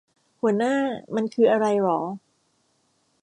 หัวหน้ามันคืออะไรหรอ